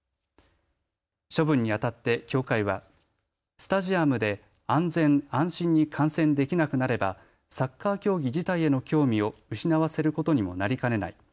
処分にあたって協会はスタジアムで安全、安心に観戦できなくなればサッカー競技自体への興味を失わせることにもなりかねない。